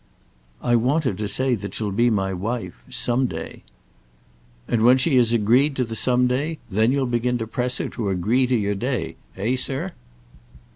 "I want her to say that she'll be my wife, some day." "And when she has agreed to the some day, then you'll begin to press her to agree to your day; eh, sir?